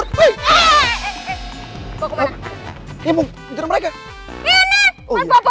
eh mau pinter mereka